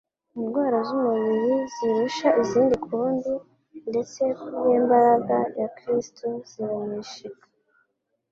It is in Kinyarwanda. Indwara z'umubiri zirusha izindi kuba mbi ndetse kubw'imbaraga ya Kristo ziranesheka;